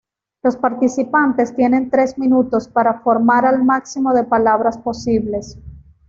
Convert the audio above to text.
Los participantes tienen tres minutos para formar el máximo de palabras posible.